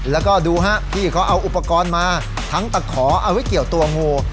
แล้วก็ดูฮะพี่เขาเอาอุปกรณ์มาทั้งตะขอเอาไว้เกี่ยวตัวงู